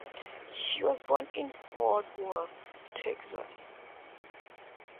She was born in Fort Worth, Texas.